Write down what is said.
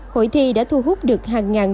hội thi đã thu hút được hàng ngàn